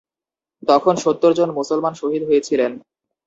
তখন সত্তর জন মুসলমান শহীদ হয়েছিলেন।